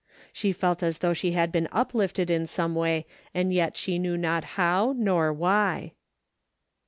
She felt as though she had been uplifted in some way and yet she knew not how nor why.